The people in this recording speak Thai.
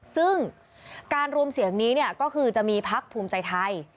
ซึ่งการรวมเสียงนี้เนี่ยก็คือจะมีพักภูมิใจไทย